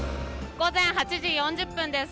午前８時４０分です。